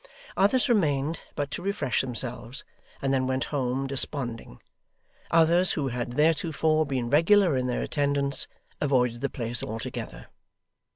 Others remained but to refresh themselves, and then went home desponding; others who had theretofore been regular in their attendance, avoided the place altogether.